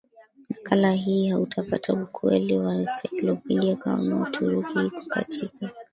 nakala hii hautapata ukweli wa ensaiklopidia kama Uturuki iko katika